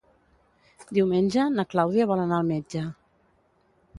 Diumenge na Clàudia vol anar al metge.